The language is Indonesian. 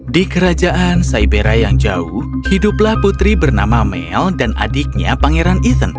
di kerajaan saibera yang jauh hiduplah putri bernama mel dan adiknya pangeran ethan